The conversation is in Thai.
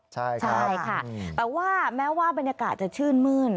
ใช่ค่ะแต่ว่าแม้ว่าบรรยากาศจะชื่นมื้น